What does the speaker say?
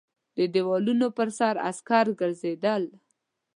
د دېوالونو پر سر عسکر ګرځېدل.